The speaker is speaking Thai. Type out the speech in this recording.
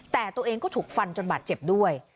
แต่ตัวเองก็ถูกฟันจนบาดเจ็บด้วย